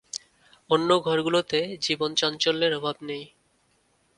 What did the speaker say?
অন্য ঘরগুলোতে জীবনচাঞ্চল্যের অভাব নেই।